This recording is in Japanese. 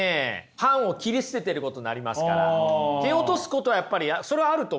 反を切り捨ててることになりますから蹴落とすことはやっぱりそれはあると思うんですよ。